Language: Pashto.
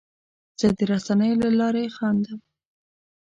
زه د رسنیو له لارې خندم.